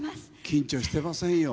緊張してませんよ